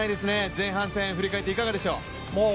前半戦振り返っていかがでしょう？